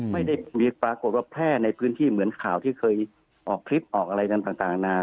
ไม่ได้มีปรากฏว่าแพร่ในพื้นที่เหมือนข่าวที่เคยออกคลิปออกอะไรต่างนานา